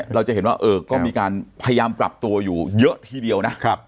เราจะเห็นว่าก็มีการพยายามปรับตัวอยู่เยอะทีเดียวนะ